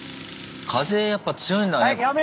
風やっぱ強いんだね。